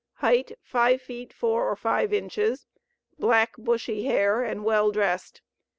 Height 5 feet 4 or 5 inches; black bushy hair, and well dressed.